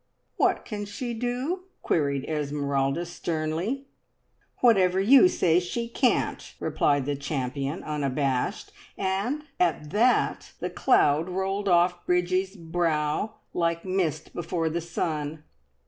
"What can she do?" queried Esmeralda sternly. "Whatever you say she can't," replied the champion, unabashed; and at that the cloud rolled off Bridgie's brow, like mist before the sun.